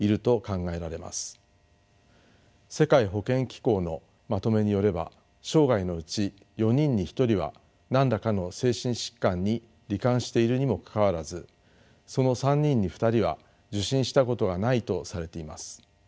世界保健機構のまとめによれば生涯のうち４人に１人は何らかの精神疾患に罹患しているにもかかわらずその３人に２人は受診したことがないとされています。